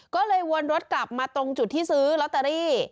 ก็เลยวนรถกลับมาตรงจุดที่ซื้อลอตเตอรี่